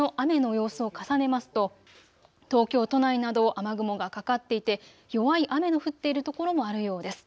そしてこの時間の雨の様子を重ねますと東京都内など雨雲がかかっていて弱い雨の降っているところもあるようです。